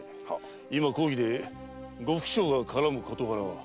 今公儀で呉服商が絡む事柄は？